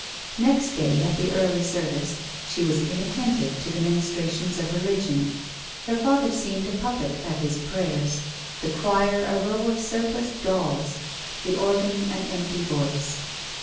Next day, at the early service, she was inat tentive to the ministrations of religion. Her father seemed a puppet at its prayers, the choir a row of surpliced dolls, the organ an empty voice.